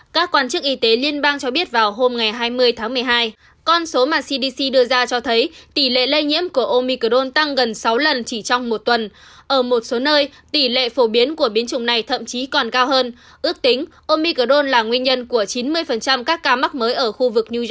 các bạn hãy đăng ký kênh để ủng hộ kênh của mình nhé